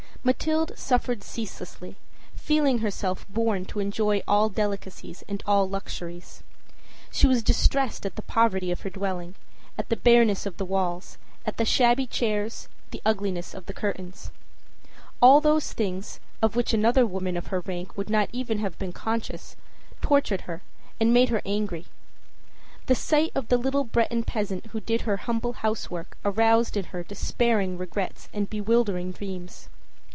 Mathilde suffered ceaselessly, feeling herself born to enjoy all delicacies and all luxuries. She was distressed at the poverty of her dwelling, at the bareness of the walls, at the shabby chairs, the ugliness of the curtains. All those things, of which another woman of her rank would never even have been conscious, tortured her and made her angry. The sight of the little Breton peasant who did her humble housework aroused in her despairing regrets and bewildering dreams.